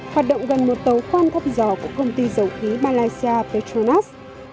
hoạt động gần một tàu khoan thăm dò của công ty dầu khí malaysia petronas